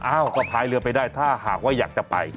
อ้าวก็พายเรือไปได้ถ้าหากว่าอยากจะไป